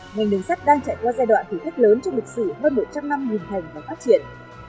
ngành đường sắt đang chạy qua giai đoạn thí thức lớn trong lịch sử hơn một trăm linh năm hình thành và phát triển